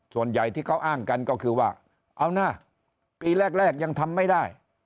ส่วนใหญ่ที่เขาอ้างกันก็คือว่าเอานะปีแรกยังทำไม่ได้